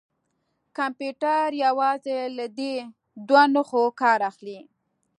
کمپیوټر یوازې له دې دوو نښو کار اخلي.